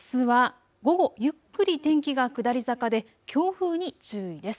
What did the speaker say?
あすは午後、ゆっくり天気が下り坂で強風に注意です。